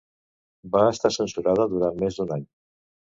Va estar censurada durant més d'un any.